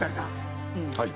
はい。